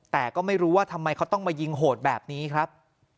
แต่ก็ไม่รู้ว่าทำไมเขาต้องมายิงโหดแบบนี้ครับ